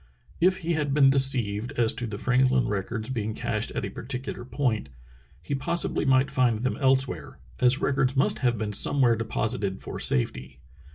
If he had been deceived as to the Franklin records being cached at a particular point, he possibly might find them elsewhere, as records must have been somewhere deposited for safety.